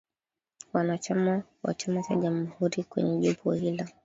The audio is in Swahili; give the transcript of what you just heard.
Wanachama wa chama cha Jamhuri kwenye jopo hilo